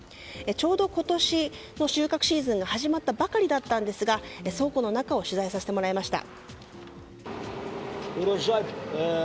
ちょうど今年の収穫シーズンが始まったばかりだったんですが倉庫の中を取材させてもらいました。